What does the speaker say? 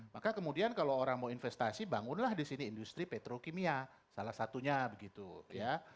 maka kemudian kalau orang mau investasi bangunlah di sini industri petrokimia salah satunya begitu ya